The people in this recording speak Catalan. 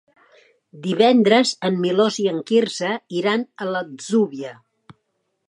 Divendres en Milos i en Quirze iran a l'Atzúbia.